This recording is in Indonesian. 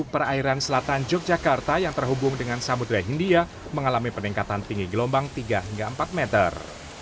perairan selatan yogyakarta yang terhubung dengan samudera hindia mengalami peningkatan tinggi gelombang tiga hingga empat meter